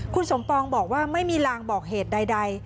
คุณสมปองบอกว่าไม่มีลางบอกเหตุใด